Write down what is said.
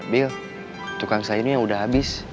bil tukang sayur ini yang udah abis